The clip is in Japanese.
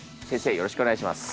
よろしくお願いします。